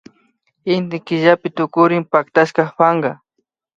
Inty killapi tukurin pactashaka panka